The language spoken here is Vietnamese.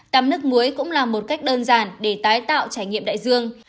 tắm nước muối cũng là một cách đơn giản để tái tạo trải nghiệm đại dương